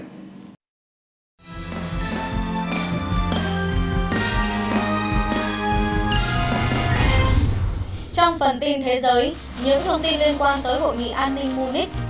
trong phần tin thế giới những thông tin liên quan tới hội nghị an ninh munich